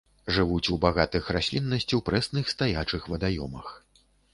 Жывуць у багатых расліннасцю прэсных стаячых вадаёмах.